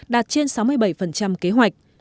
đạt trên sáu mươi bảy kế hoạch